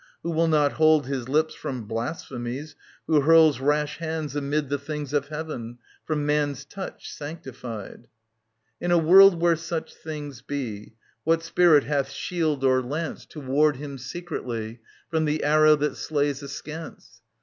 Who will not hold his lips from blasphemies, Who hurls rash hands amid the things of heaven From man's touch sanctified. In a world where such things be, What spirit hath shield or lance 50 I vv. 893 916 OEDIPUS, KING OF THEBES To ward him secretly From the arrow that slays askance